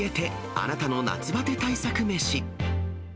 あなたの夏バテ対策メシ。